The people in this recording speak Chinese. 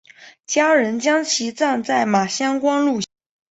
家人将其葬在马乡官路西沿。